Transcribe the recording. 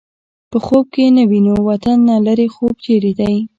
په خوب يې نه وینو وطن نه لرې خوب چېرې دی